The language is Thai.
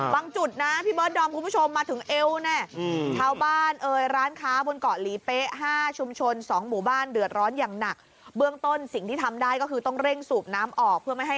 บางจุดนะพี่เบิร์ดดอมคุณผู้ชมมาถึงเอวแน่